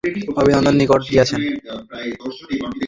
আর একটি গুরুভাই আমার নিকটে ছিলেন, তিনি অভেদানন্দের নিকট গিয়াছেন।